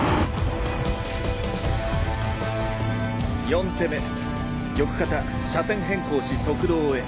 四手目玉方車線変更し側道へ。